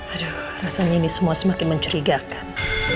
aduh rasanya ini semua semakin mencurigakan